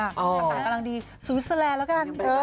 อ๋อตั้งแปลกกำลังดีสวีตเซอร์แลนด์แล้วกัน